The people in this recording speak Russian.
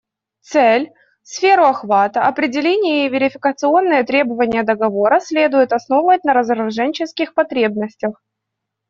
Цель, сферу охвата, определение и верификационные требования договора следует основывать на разоруженческих потребностях.